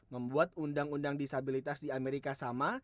membuat undang undang disabilitas di amerika sama